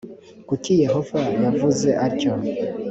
kuki yehova yavuze atyo?